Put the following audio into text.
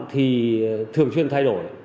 thì thường xuyên thay đổi